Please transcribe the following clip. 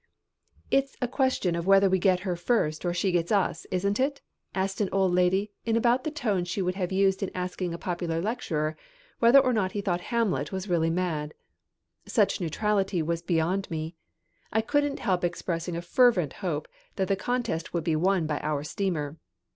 "It's a question of whether we get her first or she gets us, isn't it?" asked an old lady in about the tone she would have used in asking a popular lecturer whether or not he thought Hamlet was really mad. Such neutrality was beyond me. I couldn't help expressing a fervent hope that the contest would be won by our steamer.